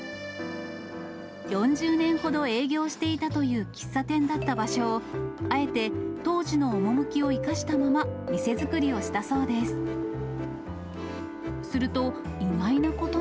４０年ほど営業していたという喫茶店だった場所を、あえて当時の趣を生かしたまま、店作りをしたそうです。